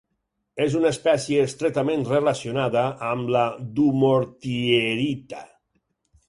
És una espècie estretament relacionada amb la dumortierita.